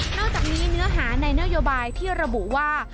จากนี้เนื้อหาในนโยบายที่ระบุว่า